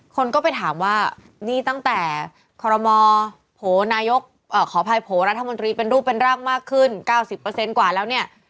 คนก็ไปถามว่านี่ตั้งแต่คอรมอโศกขออภัยโผล่รัฐมนตรีเป็นรูปเป็นร่างมากขึ้น๙๐กว่าแล้วเนี่ย